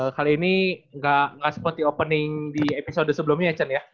kali ini gak seperti opening di episode sebelumnya ya chen ya